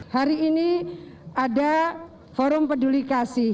hari ini ada forum pedulikasi